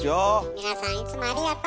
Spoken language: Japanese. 皆さんいつもありがとう。